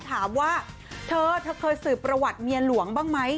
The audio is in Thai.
ถามว่าเธอเธอเคยสืบประวัติเมียหลวงบ้างไหม